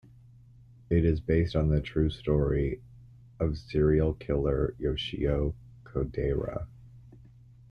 It is based on the true story of serial killer Yoshio Kodaira.